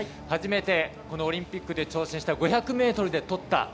初めてこのオリンピックで挑戦した５００ｍでとった。